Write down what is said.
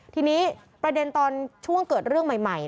ทีนี้ประเด็นตอนช่วงเกิดเรื่องใหม่